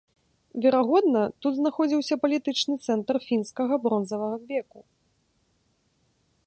Верагодна, тут знаходзіўся палітычны цэнтр фінскага бронзавага веку.